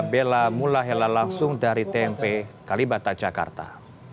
semula helah langsung dari tmp kalibata jakarta